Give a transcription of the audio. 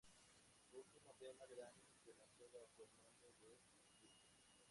Su último tema del año se lanzó bajo el nombre de "Eclipse".